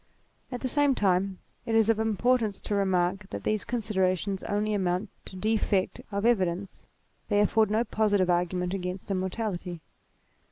At the same time it is of importance to remark that these considerations only amount to defect of evidence ; they afford no positive argument against immortality.